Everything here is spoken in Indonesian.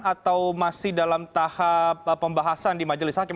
atau masih dalam tahap pembahasan di majelis hakim